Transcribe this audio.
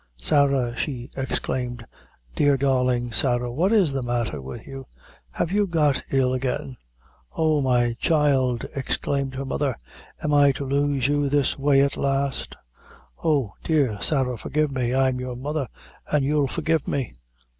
"Sarah!" she exclaimed; "dear, darling Sarah, what is the matter with you? Have you got ill again?" "Oh! my child!" exclaimed her mother "am I to lose you this way at last? Oh! dear Sarah, forgive me I'm you mother, and you'll forgive me."